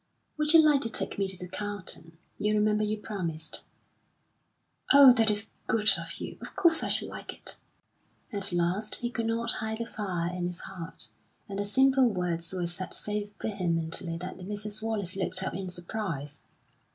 "Would you like to take me to the Carlton? You remember you promised." "Oh, that is good of you! Of course I should like it!" At last he could not hide the fire in his heart, and the simple words were said so vehemently that Mrs. Wallace looked up in surprise.